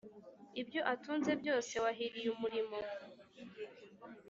ibyo atunze byose? Wahiriye umurimo